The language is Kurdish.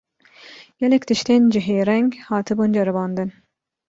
Gelek tiştên cihêreng hatibûn ceribandin